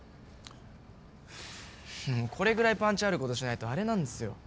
これぐらいパンチあることしないとあれなんですよ。